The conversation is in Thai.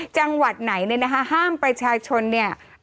จังหวัดไหนเนี่ยนะคะห้ามประชาชนเนี่ย